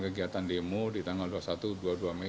kegiatan demo di tanggal dua puluh satu dua puluh dua mei